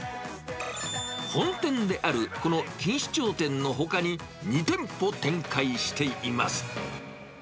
本店であるこの錦糸町店のほかに、２店舗展開しています。